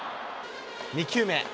２球目。